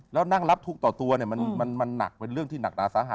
แล้วนั่งรับฮุกต่อตัวมันหนักสถิตย์หนักตามนะ